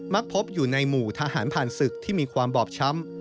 พบอยู่ในหมู่ทหารผ่านศึกที่มีความบอบช้ำ